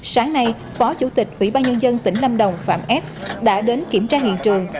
sáng nay phó chủ tịch ủy ban nhân dân tỉnh lâm đồng phạm s đã đến kiểm tra hiện trường